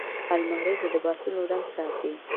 الماري د لباسونو رنګ ساتي